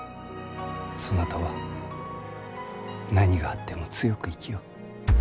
そなたは何があっても強く生きよ。